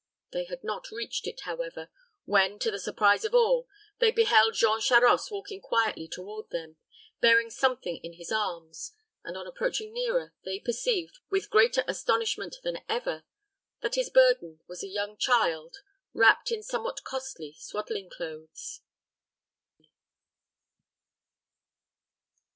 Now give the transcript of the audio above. They had not reached it, however, when, to the surprise of all, they beheld Jean Charost walking quietly toward them, bearing something in his arms, and, on approaching nearer, they perceived, with greater astonishment than ever, that his burden was a young child, wrapped in somewhat costly swaddling clothes.